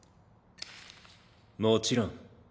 もちろん。